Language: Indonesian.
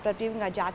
tapi itu nggak jatuh